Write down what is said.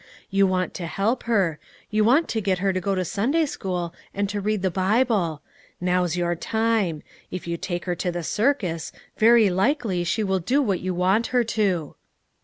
You want to help her; you want to get her to go to Sunday school and to read the Bible. Now's your time: if you take her to the circus, very likely she will do what you want her to."